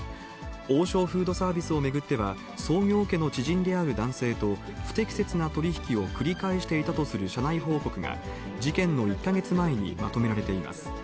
王将フードサービスを巡っては、創業家の知人である男性と、不適切な取り引きを繰り返していたとする社内報告が、事件の１か月前にまとめられています。